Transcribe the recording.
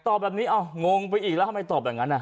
ตอบแบบนี้เอ้างงไปอีกแล้วทำไมตอบอย่างนั้น